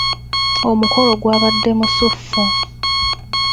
Omukolo gwabadde musuffu.